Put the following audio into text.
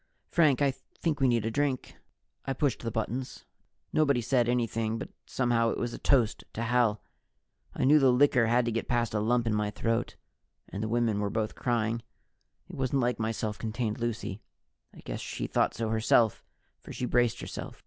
Frank, I think we need a drink." I pushed the buttons. Nobody said anything, but somehow it was a toast to Hal. I know the liquor had to get past a lump in my throat and the women were both crying. It wasn't like my self contained Lucy. I guess she thought so herself, for she braced herself.